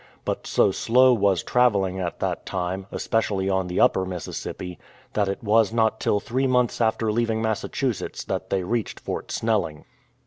But so slow was travelling at that time, especially on the Upper Mississippi, that it was not till three months after leaving Massachusetts that they reached Fort Snelling.